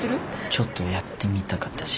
ちょっとやってみたかったし。